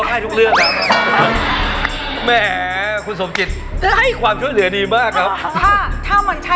แหม่คุณสมจิตให้ความช่วยเหลือดีมากครับ